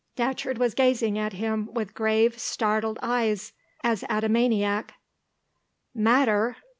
Datcherd was gazing at him with grave, startled eyes, as at a maniac. "Matter?